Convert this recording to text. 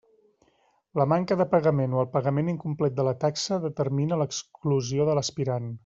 La manca de pagament o el pagament incomplet de la taxa determina l'exclusió de l'aspirant.